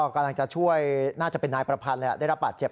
กำลังจะช่วยน่าจะเป็นนายประพันธ์แหละได้รับบาดเจ็บ